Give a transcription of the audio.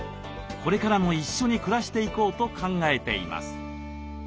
これからも一緒に暮らしていこうと考えています。